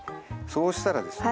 そうしたらですね